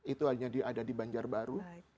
itu hanya ada di banjarbaru